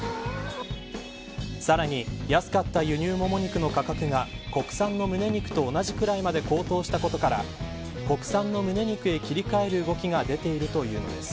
さらに安かった輸入もも肉の価格が国産のむね肉と同じくらいまで高騰したことから国産のむね肉へ切り替える動きが出ているというのです。